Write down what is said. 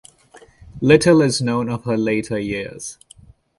Little is known of her later years.